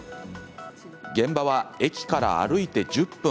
現場は駅から歩いて１０分。